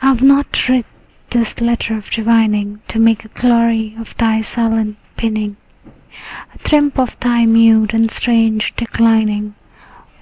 I have not writ this letter of divining To make a glory of thy silent pining, A triumph of thy mute and strange declining.